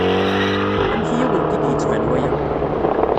Amek i awent-d-yettban waya?